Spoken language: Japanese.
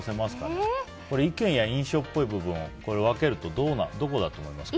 意見や印象っぽい部分を分けるとどこだと思います？